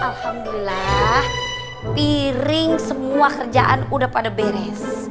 alhamdulillah piring semua kerjaan udah pada beres